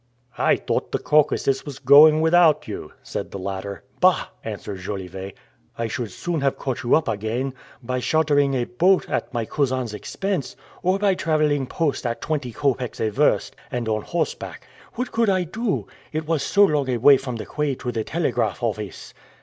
"I thought the Caucasus was going without you," said the latter. "Bah!" answered Jolivet, "I should soon have caught you up again, by chartering a boat at my cousin's expense, or by traveling post at twenty copecks a verst, and on horseback. What could I do? It was so long a way from the quay to the telegraph office."